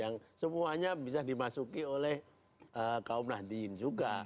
yang semuanya bisa dimasuki oleh kaum nahdien juga